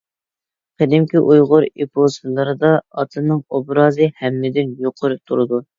قەدىمكى ئۇيغۇر ئېپوسلىرىدا ئاتنىڭ ئوبرازى ھەممىدىن يۇقىرى تۇرىدۇ.